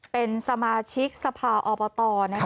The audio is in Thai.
เป็นสมาชิกสภาอบต